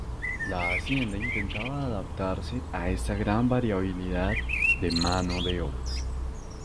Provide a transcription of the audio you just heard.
La hacienda intentaba adaptarse a esta gran variabilidad de mano de obra.